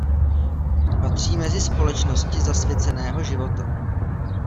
Patří mezi "společnosti zasvěceného života".